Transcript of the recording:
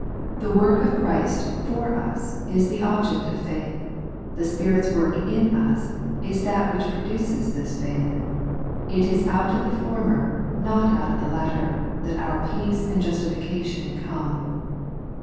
The work of Christ for us is the object of faith ; the Spirit's work in us is that which produces this faith : it is out of the former, not out of the latter, that our peace and justification come.